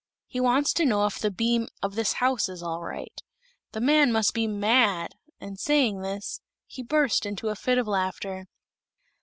He wants to know if the beam of this house is all right. The man must be mad!" and saying this, he burst into a fit of laughter.